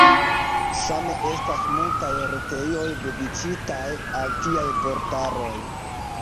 Same estas multaj retejoj dediĉitaj al tiaj vortaroj.